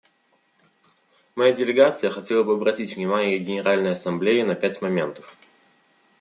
Моя делегация хотела бы обратить внимание Генеральной Ассамблеи на пять моментов.